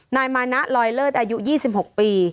นายมานะลอยเลิศอายุ๒๖ปี